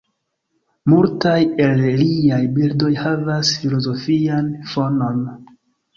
Multaj el liaj bildoj havas filozofian fonon.